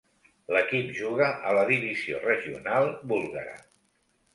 L'equip juga a la divisió regional búlgara.